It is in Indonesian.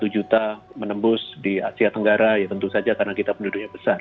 satu juta menembus di asia tenggara ya tentu saja karena kita penduduknya besar